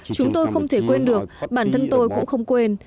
chúng tôi không thể quên được bản thân tôi cũng không quên